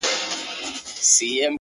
پر دې دُنیا سوځم پر هغه دُنیا هم سوځمه”